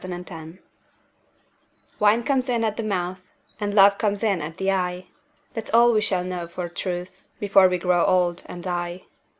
A DRINKING SONG Wine comes in at the mouth And love comes in at the eye; That's all we shall know for truth Before we grow old and die.